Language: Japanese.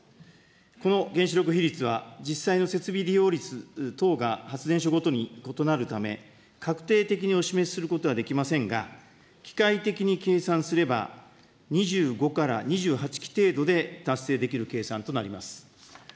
この原子力比率は、実際の設備利用率等が発電所ごとに異なるため、確定的にお示しすることはできませんが、機械的に計算すれば、２５から２８基程度で達成できる計算となります。